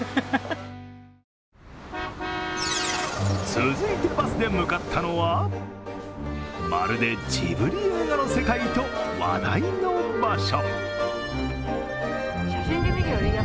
続いてバスで向かったのは、まるでジブリ映画の世界と話題の場所。